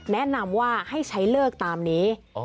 แนะนำว่าให้ใช้เลิกตามนี้